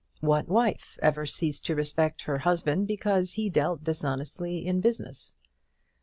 What wife ever ceased to respect her husband because he dealt dishonestly in business?